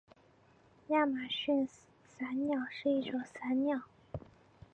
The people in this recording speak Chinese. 亚马逊伞鸟是一种伞鸟。